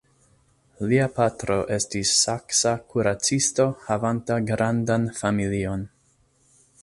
Lia patro estis saksa kuracisto havanta grandan familion.